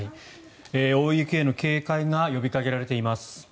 大雪への警戒が呼びかけられています。